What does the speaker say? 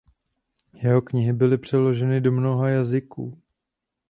Jeho knihy byl přeloženy do mnoha jazyků.